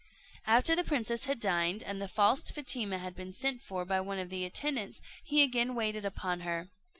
After the princess had dined, and the false Fatima had been sent for by one of the attendants, he again waited upon her.